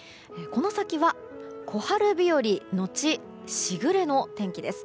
この先は小春日和、後時雨の天気です。